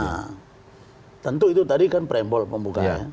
nah tentu itu tadi kan prembol pembukaan ya